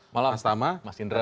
selamat malam mas tama